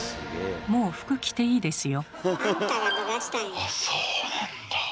もう服着ていいですよ。